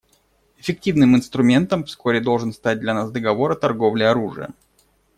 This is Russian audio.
Эффективным инструментом вскоре должен стать для нас договор о торговле оружием.